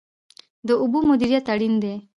د اوبو مدیریت اړین دی.